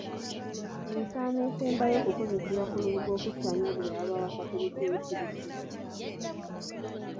Ensaamo esembayo okukozesebwa ku lubugo okuttaanya buli awaba watateredde eyitibwa Enjeguzi.